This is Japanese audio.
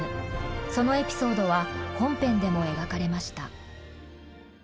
そのエピソードは本編でも描かれました。